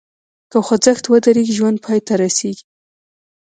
که خوځښت ودریږي، ژوند پای ته رسېږي.